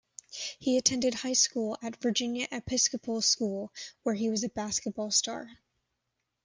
He attended high school at Virginia Episcopal School, where he was a basketball star.